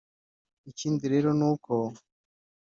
Ikindi rero ni uko